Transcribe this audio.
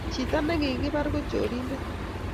Chito negigibaar ko chorindet